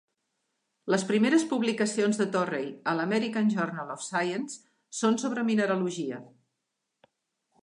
Les primeres publicacions de Torrey al "American Journal of Science" són sobre mineralogia.